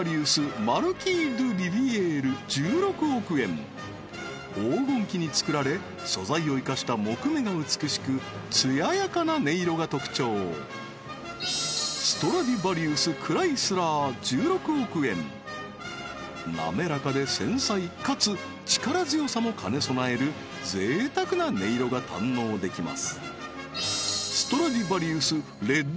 まずは黄金期に作られ素材を生かした木目が美しく艶やかな音色が特徴滑らかで繊細かつ力強さも兼ね備える贅沢な音色が堪能できます